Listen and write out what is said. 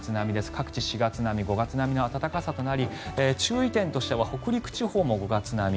各地４月並み、５月並みの暖かさとなり注意点としては北陸地方も５月並み。